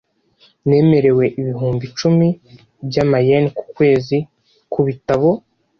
Nemerewe ibihumbi icumi byama yen ku kwezi kubitabo.